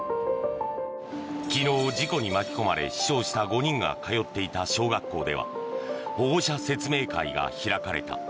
昨日、事故に巻き込まれ死傷した５人が通っていた小学校では保護者説明会が開かれた。